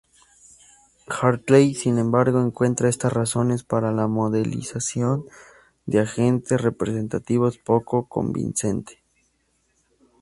Hartley, sin embargo, encuentra estas razones para la modelización de agentes representativos poco convincente.